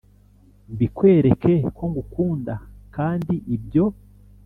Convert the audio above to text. mbikwereke ko ngukunda kandi ibyo